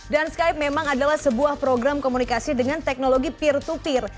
dan skype memang adalah sebuah program komunikasi dengan teknologi peer to peer